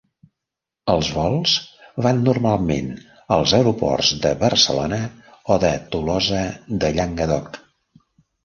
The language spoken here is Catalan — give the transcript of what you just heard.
Els vols van normalment als aeroports de Barcelona o de Tolosa de Llenguadoc.